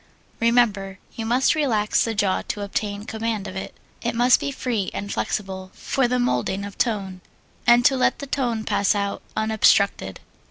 Remember, you must relax the jaw to obtain command of it. It must be free and flexible for the moulding of tone, and to let the tone pass out unobstructed.